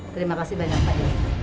terima kasih banyak pak